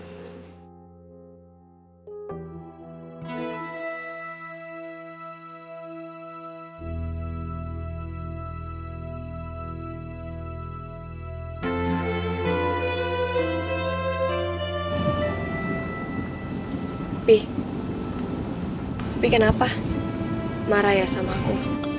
tapi tapi kenapa marah ya sama aku